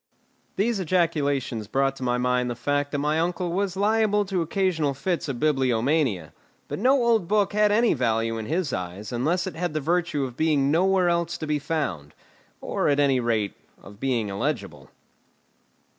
These ejaculations brought to my mind the fact that my uncle was liable to occasional fits of bibliomania; but no old book had any value in his eyes unless it had the virtue of being nowhere else to be found, or, at any rate, of being illegible.